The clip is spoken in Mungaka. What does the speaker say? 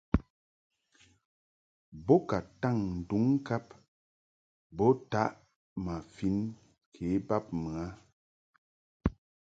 Bo ka taŋ nduŋ ŋkab bo taʼ ma fin ke bab mɨ a.